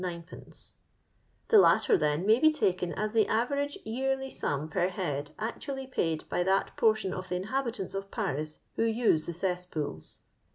The latter, then, maj be taken as the aTerage jeariy sum jjier head aotnaUy paid bjr that portioa of the inhahitanto of Paria who use tne cesqtoola."